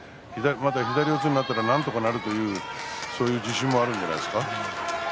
左四つになったらなんとかなるというそういう自信があるんじゃないですか。